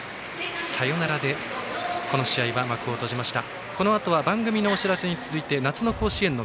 サヨナラでこの試合は幕を閉じました。